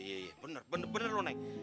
iya bener bener mak